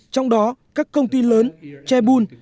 trong đó các công ty lớn chebur